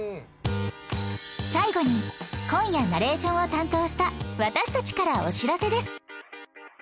最後に今夜ナレーションを担当した私たちからお知らせです